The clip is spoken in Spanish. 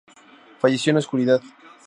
Falleció en la oscuridad.